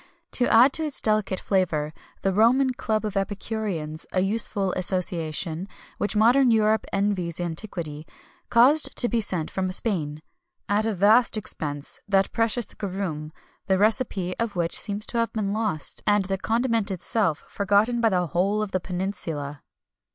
[XXI 229] To add to its delicate flavour, the "Roman club of epicureans," a useful association, which modern Europe envies antiquity, caused to be sent from Spain, at a vast expense, that precious garum,[XXI 230] the recipe of which seems to have been lost, and the condiment itself forgotten by the whole of the Peninsula.